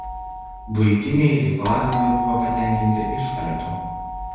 Buitiniai reikalavimai buvo patenkinti iš karto.